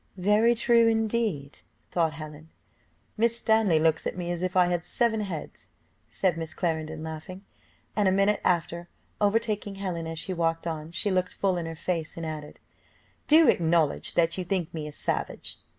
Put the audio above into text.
"Very true, indeed," thought Helen. "Miss Stanley looks at me as if I had seven heads," said Miss Clarendon, laughing; and, a minute after, overtaking Helen as she walked on, she looked full in her face, and added, "Do acknowledge that you think me a savage."